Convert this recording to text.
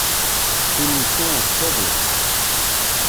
Kennemti d taluft.